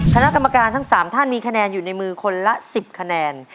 คณะกรรมการทั้ง๓ท่านมีคะแนนอยู่ในมือคนละ๑๐คะแนน